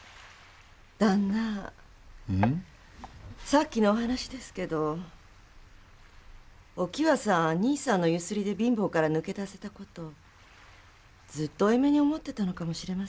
さっきのお話ですけどおきわさんは兄さんのゆすりで貧乏から抜け出せた事ずっと負い目に思ってたのかもしれませんね。